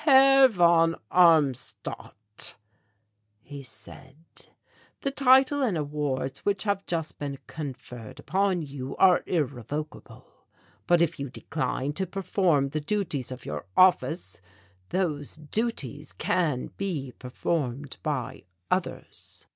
"Herr von Armstadt," he said, "the title and awards which have just been conferred upon you are irrevocable. But if you decline to perform the duties of your office those duties can be performed by others."